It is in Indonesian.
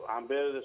ambil satu hari